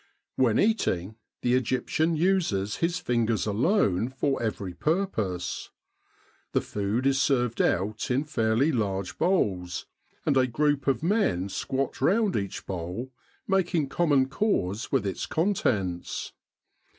When eating, the Egyptian uses his fingers alone for every purpose. The food is served out in fairly large bowls, and a group of men squat round each bowl^ making common cause with its contents.